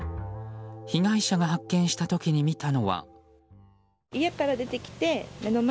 被害者が発見した時に見たのは。